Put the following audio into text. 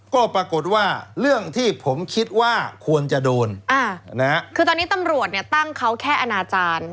ก็ปรากฏว่าเรื่องที่ผมคิดว่าควรจะโดนอ่านะฮะคือตอนนี้ตำรวจเนี่ยตั้งเขาแค่อนาจารย์